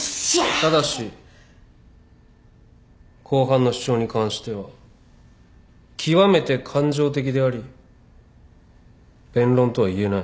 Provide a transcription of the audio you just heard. ただし後半の主張に関しては極めて感情的であり弁論とはいえない。